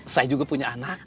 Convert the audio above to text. saya juga punya anak